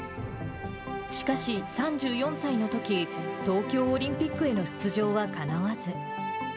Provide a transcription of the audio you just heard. しかし、３４歳のとき、東京オリンピックへの出場はかなわず。